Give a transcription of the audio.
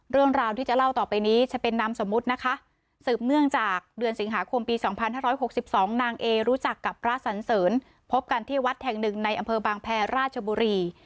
เรื่องราวที่จะเล่าต่อไปนี้จะเป็นนามสมมุตินะคะสืบเนื่องจากเดือนสิงหาคมปี๒๕๖๒นางเอรู้จักกับพระสันเสริญพบกันที่วัดแห่งหนึ่งในอำเภอบางแพรราชบุรี